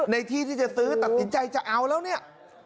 ในที่ที่จะซื้อตัดสินใจจะเอาแล้วเนี่ย